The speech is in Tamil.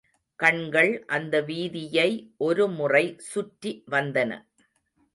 கண்கள் அந்த வீதியை ஒருமுறை சுற்றி வந்தன.